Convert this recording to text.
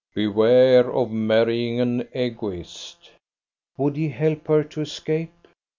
"Beware of marrying an Egoist." Would he help her to escape?